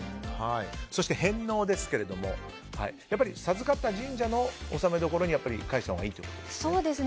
そして返納ですが授かった神社の納め所に返したほうがいいということですね。